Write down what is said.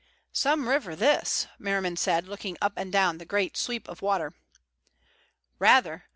"Some river, this," Merriman said, looking up and down the great sweep of water. "Rather.